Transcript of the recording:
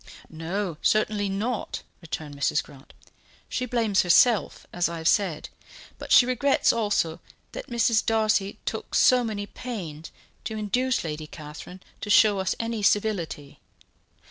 "No, certainly not," returned Mrs. Grant; "she blames herself, as I have said; but she regrets also that Mrs. Darcy took so many pains to induce Lady Catherine to show us any civility.